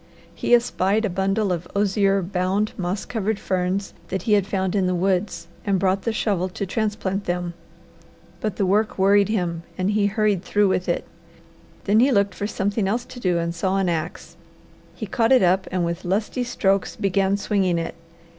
He espied a bundle of osier bound, moss covered ferns that he had found in the woods, and brought the shovel to transplant them; but the work worried him, and he hurried through with it. Then he looked for something else to do and saw an ax. He caught it up and with lusty strokes began swinging it.